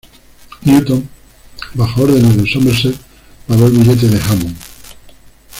Newton, bajo órdenes de Somerset, pagó el billete de Hammond.